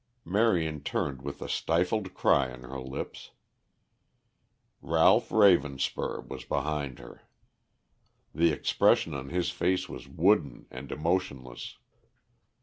Marion turned with a stifled cry on her lips. Ralph Ravenspur was behind her. The expression on his face was wooden and emotionless.